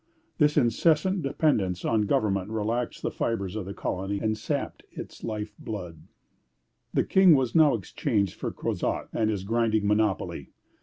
This incessant dependence on government relaxed the fibres of the colony and sapped its life blood. The King was now exchanged for Crozat and his grinding monopoly.